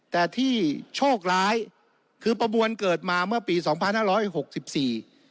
แต่ที่โชคร้ายคือประบวนเกิดมาเมื่อปีสองพันห้าร้อยหกสิบสี่